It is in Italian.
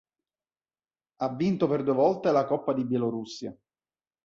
Ha vinto per due volte la coppa di Bielorussia.